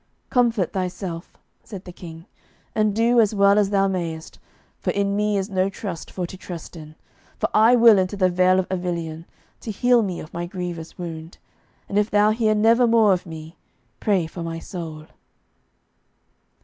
"Comfort thyself," said the King, "and do as well as thou mayest, for in me is no trust for to trust in. For I will into the vale of Avilion, to heal me of my grievous wound. And if thou hear never more of me, pray for my soul."